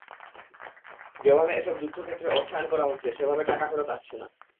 যেভাবে এসব যুদ্ধক্ষেত্রে অর্থায়ন করা হচ্ছে, সেভাবে টাকা ফেরত আসছে না।